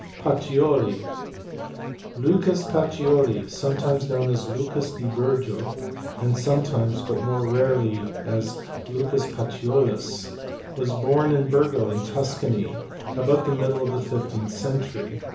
Pacioli*. Lucas Pacioli, sometimes known as Lucas di Bur go, and sometimes, but more rarely, as Lucas Paciolus, was born at Burgo in Tuscany about the middle of the fifteenth century.